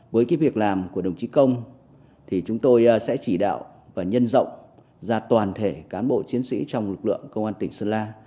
với việc làm của đồng chí công thì chúng tôi sẽ chỉ đạo và nhân rộng ra toàn thể cán bộ chiến sĩ trong lực lượng công an tỉnh sơn la